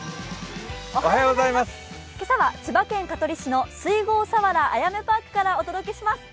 今朝は千葉県香取市の水郷佐原あやめパークからお届けします。